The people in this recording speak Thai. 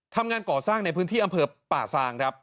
ทำงานก่อสร้างในพื้นที่อำเภอป่าซางครับ